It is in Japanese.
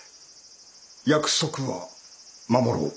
約束は守ろう。